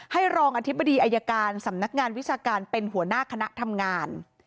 รองอธิบดีอายการสำนักงานวิชาการเป็นหัวหน้าคณะทำงาน